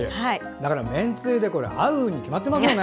だから、めんつゆで合うに決まってますよね！